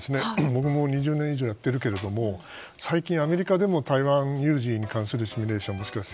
僕も２０年以上やっているけども最近アメリカでも台湾有事に関するシミュレーションもしくは